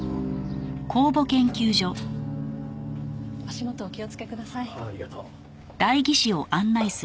足元お気をつけください。